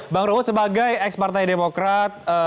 bang ruhut sebagai ex partai demokrat